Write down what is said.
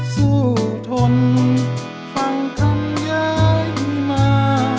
สู้ทนฟังคำย้ายขึ้นมา